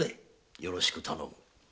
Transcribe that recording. よろしく頼む。